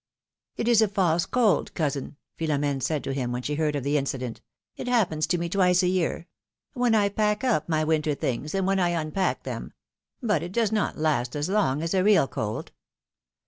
It is a false cold, cousin,'^ Philom^ne said to him when she heard of the incident ; it happens to me twice a year '— when I pack up my winter things, and when I unpack them ; but it does not last as long as a real cold.